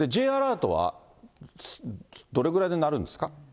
Ｊアラートはどれぐらいでなるんですか。